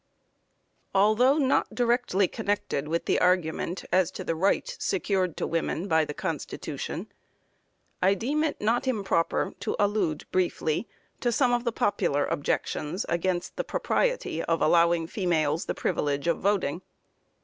Although not directly connected with the argument as to the right secured to women by the Constitution, I deem it not improper to allude briefly to some of the popular objections against the propriety of allowing females the privilege of voting.